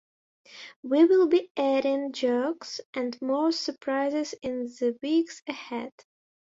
We will be adding jocks and more surprises in the weeks ahead.